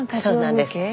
そうなんです。